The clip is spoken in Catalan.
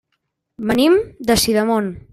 Venim de Sidamon.